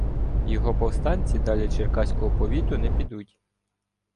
його повстанці далі Черкаського повіту не підуть.